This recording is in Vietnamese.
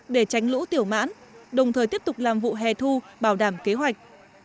để tránh lũ tiểu mãn đồng thời tiếp tục làm vụ hè thu bảo đảm kế hoạch